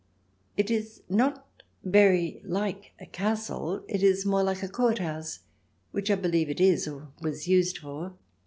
It is not very like a castle ; it is more like a court house, which, I believe, it is or was used for.